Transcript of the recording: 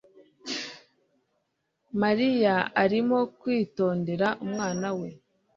Mariya arimo kwitondera umwana we